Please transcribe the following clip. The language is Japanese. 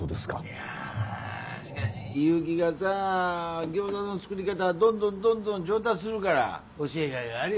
いやしかし祐樹がさギョーザの作り方どんどんどんどん上達するから教えがいがあるよな。